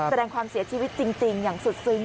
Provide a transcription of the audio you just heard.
แสดงความเสียใจจริงอย่างสุดซึ้ง